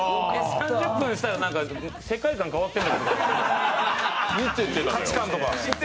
３０分したら世界観変わってる。